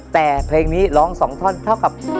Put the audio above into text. แต่เพลงนี้ร้อง๒ท่อนเท่ากับ๑๖คำครับ